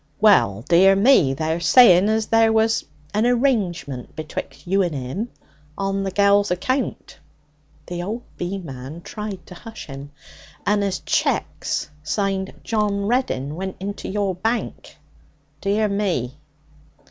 'Well, dear me! they're saying as there was an arrangement betwixt you and 'im on the gel's account (the old beeman tried to hush him) and as cheques signed "John Reddin" went to your bank. Dear me!'